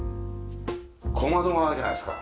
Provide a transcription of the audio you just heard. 小窓があるじゃないですか。